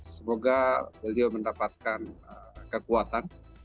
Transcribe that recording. semoga beliau mendapatkan kekuatan